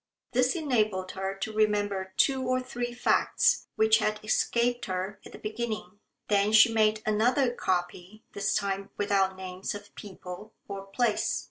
This enabled her to remember two or three facts which had escaped her at the beginning. Then she made another copy this time without names of people or place.